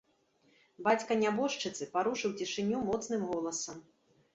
Бацька нябожчыцы парушыў цішыню моцным голасам.